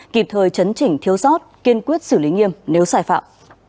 kịp thời chấn chỉnh thiếu sót kiên quyết xử lý nghiêm nếu xài phạm